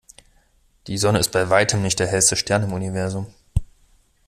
Die Sonne ist bei Weitem nicht der hellste Stern im Universum.